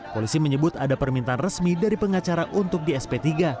polisi menyebut ada permintaan resmi dari pengacara untuk di sp tiga